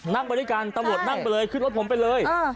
นั่งไปด้วยกันตำรวจนั่งไปเลยขึ้นรถผมไปเลย